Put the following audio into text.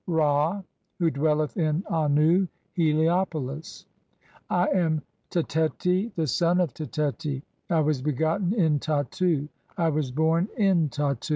Ra) "who dwelleth in Annu (Heliopolis). I am Tetteti, the son of "Tetteti ; (14) I was begotten in Tattu, I was born in (15) Tattu.